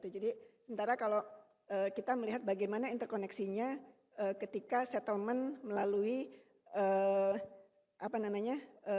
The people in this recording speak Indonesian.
jadi sementara kalau kita melihat bagaimana interkoneksinya ketika settlement melalui apa namanya